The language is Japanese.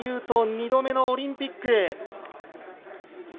斗２度目のオリンピック。